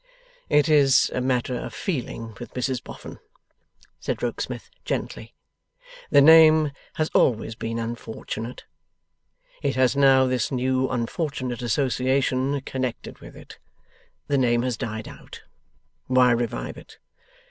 'It is a matter of feeling with Mrs Boffin,' said Rokesmith, gently. 'The name has always been unfortunate. It has now this new unfortunate association connected with it. The name has died out. Why revive it?